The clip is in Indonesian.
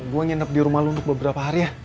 saya mau duduk di rumah kamu untuk beberapa hari ya